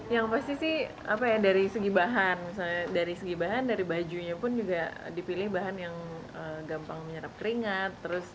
yang pasti dari segi bahan dari bajunya pun dipilih bahan yang gampang menyerap keringat